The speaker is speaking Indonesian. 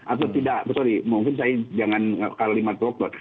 atau tidak sorry mungkin saya jangan kalimat dokter